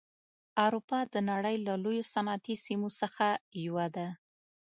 اروپا د نړۍ له لویو صنعتي سیمو څخه یوه ده.